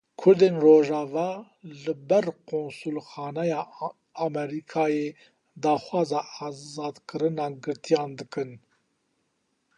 Kurdên Rojava li ber konsulxaneya Amerîkayê daxwaza azadkirina girtiyan dikin.